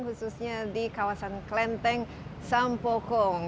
khususnya di kawasan klenteng sampokong